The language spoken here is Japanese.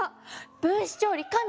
分子調理神！